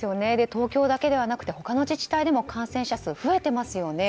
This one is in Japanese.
東京だけではなくて他の自治体でも感染者数が増えていますよね。